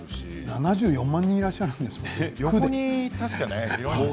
７４万人いらっしゃるんですものね。